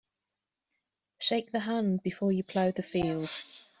Shake the hand before you plough the field.